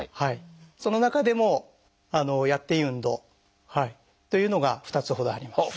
その中でもやっていい運動というのが２つほどあります。